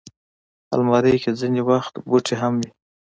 الماري کې ځینې وخت بوټي هم وي